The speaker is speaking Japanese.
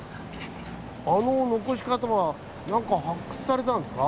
あの残し方は何か発掘されたんですか？